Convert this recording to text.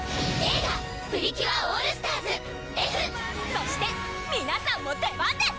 そして皆さんも出番です！